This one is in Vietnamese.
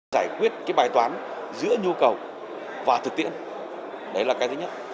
giải quyết cái bài toán giữa nhu cầu và thực tiễn đấy là cái thứ nhất